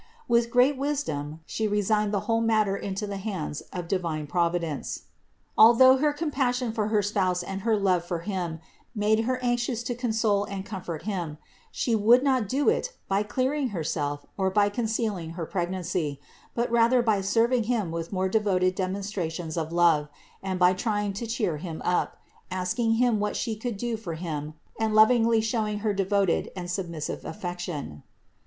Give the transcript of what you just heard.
With great wisdom She resigned the whole matter into the hands of divine Providence. Al though her compassion for her spouse and her love for him made Her anxious to console and comfort him, She would not do it by clearing Herself or by concealing her pregnancy, but rather by serving him with more devoted demonstrations of love, and by trying to cheer him up, asking him what She could do for him and lovingly show ing her devoted and submissive affection.